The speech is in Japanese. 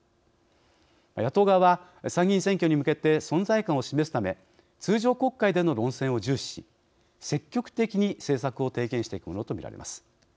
野党側は参議院選挙に向けて存在感を示すため通常国会での論戦を重視し積極的に政策を提言していくものとみられます。